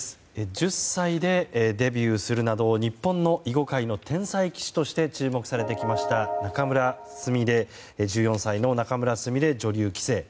１０歳でデビューするなど日本の囲碁界の天才棋士として注目されてきた１４歳の、仲邑菫女流棋聖。